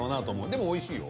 でもおいしいよ。